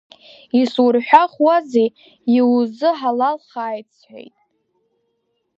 Исурҳәахуазеи, иузыҳалалхааит сҳәеит.